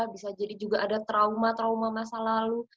bisa jadi juga ada trauma trauma masa lalu